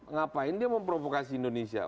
ngapain dia memprovokasi indonesia